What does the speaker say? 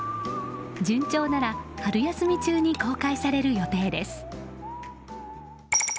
順調なら春休み中に公開される予定です。